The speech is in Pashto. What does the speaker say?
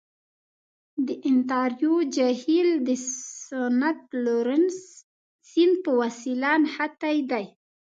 د انتاریو جهیل د سنت لورنس سیند په وسیله نښتی دی.